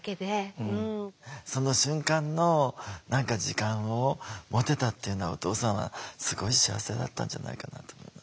その瞬間の何か時間を持てたっていうのはお父さんはすごい幸せだったんじゃないかなと思います。